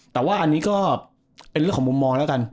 แต่ว่าอันนี้ก็เป็นเรื่องของมุมมองแล้วกัน